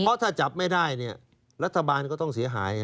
เพราะถ้าจับไม่ได้รัฐบาลก็ต้องเสียหาย